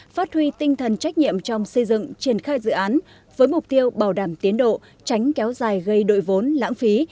phát huy tinh thần trách nhiệm trong xây dựng triển khai dự án với mục tiêu bảo đảm tiến độ tránh kéo dài gây đội vốn lãng phí